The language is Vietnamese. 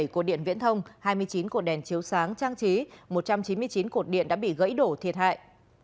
một mươi cổ điện viễn thông hai mươi chín cổ đèn chiếu sáng trang trí một trăm chín mươi chín cột điện đã bị gãy đổ thiệt hại